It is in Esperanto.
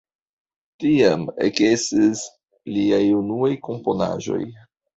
Tiam ekestis liaj unuaj komponaĵoj.